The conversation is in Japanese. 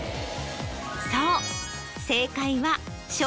そう。